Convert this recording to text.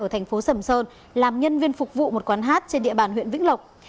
họ xẩm sơn làm nhân viên phục vụ một quán hát trên địa bàn huyện vĩnh lộc